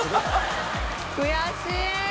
悔しい！